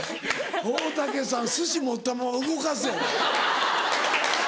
大竹さん寿司持ったまま動かずやで。